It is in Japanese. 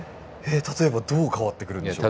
例えばどう変わってくるんでしょうか？